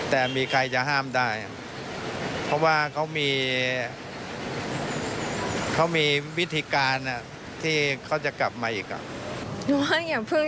แต่มีใครจะห้ามได้เพราะว่าเขามีเขามีวิธีการที่เขาจะกลับมาอีกอ่ะ